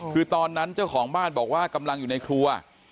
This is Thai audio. คือตอนนั้นเจ้าของบ้านบอกว่ากำลังอยู่ในครัว